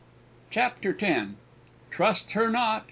CHAPTER X TRUST HER NOT!